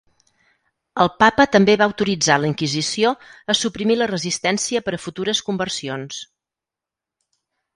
El papa també va autoritzar la Inquisició a suprimir la resistència per a futures conversions.